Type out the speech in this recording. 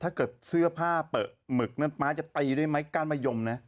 ถ้าเกิดเสื้อผ้าเปลือกหมึกนั้นม้าจะตีด้วยไม้ก้านมะยมนะ